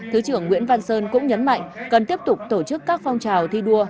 thứ trưởng nguyễn văn sơn cũng nhấn mạnh cần tiếp tục tổ chức các phong trào thi đua